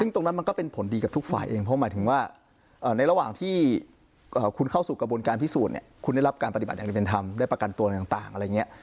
ซึ่งตรงนั้นมันก็เป็นผลดีกับทุกฝ่ายเองเพราะหมายถึงว่าในระหว่างที่คุณเข้าสู่กระบวนการพิสูจน์เนี่ยคุณได้รับการปฏิบัติอย่างที่เป็นธรรมได้ประกันตัวต่างอะไรอย่างนี้